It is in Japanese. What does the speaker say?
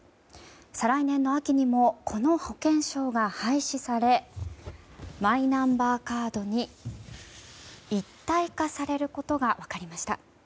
再来年の秋にもこの保険証が廃止されマイナンバーカードに一体化されることが分かりました。